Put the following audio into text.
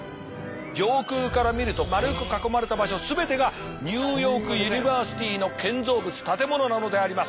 上空から見ると丸く囲まれた場所全てがニューヨークユニバーシティーの建造物建物なのであります。